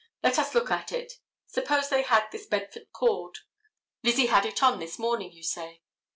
Let us look at it. Suppose they had this bedford cord. Lizzie had it on this morning, you say.